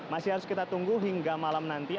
masih harus kita tunggu hingga malam nanti